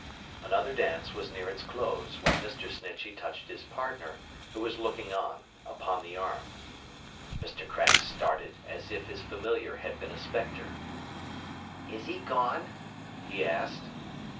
Another dance was near its close, when Mr. Snitchey touched his partner, who was looking on, upon the arm. Mr. Craggs started, as if his familiar had been a spectre. 'Is he gone?' he asked.